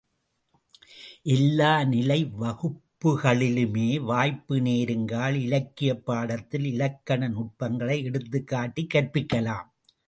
எல்லாநிலை வகுப்புகளிலுமே, வாய்ப்பு நேருங்கால், இலக்கியப் பாடத்தில் இலக்கண நுட்பங்களை எடுத்துக்காட்டிக் கற்பிக்கலாம்.